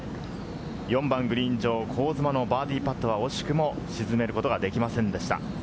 ４番グリーン上、香妻のバーディーパットは惜しくも沈めることができませんでした。